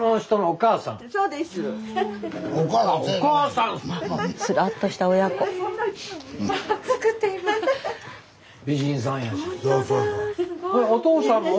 お父さんは？